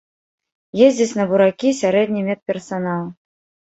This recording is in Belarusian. Ездзіць на буракі сярэдні медперсанал.